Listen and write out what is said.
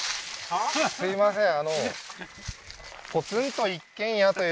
あのすいません